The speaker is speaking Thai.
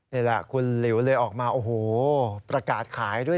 นี่แหละคุณหลิวเลยออกมาโอ้โหประกาศขายด้วย